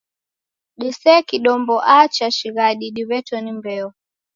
Disee kidombo aa cha shighadi diw'eto ni mbeo